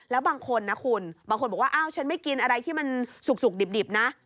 แล้วบางคนนะคุณบางคนบอกว่าอ้าวฉันไม่กินอะไรที่มันสุกดิบนะ